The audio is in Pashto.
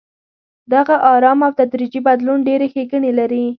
دغه ارام او تدریجي بدلون ډېرې ښېګڼې لري.